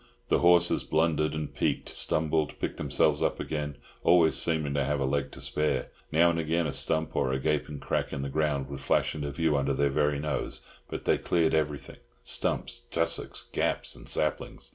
The horses blundered and "peeked," stumbled, picked themselves up again, always seeming to have a leg to spare. Now and again a stump or a gaping crack in the ground would flash into view under their very nose, but they cleared everything—stumps, tussocks, gaps, and saplings.